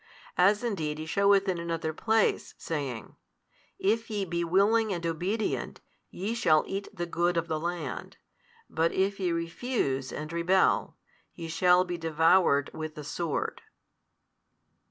As indeed He sheweth in another place, saying, If ye be willing and obedient, ye shall, eat the good of the land; but if ye refuse and rebel, ye shall be devoured with the sword.